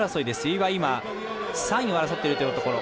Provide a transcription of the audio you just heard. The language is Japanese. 由井は今３位を争っているところ。